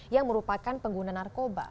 yang merupakan pengguna narkoba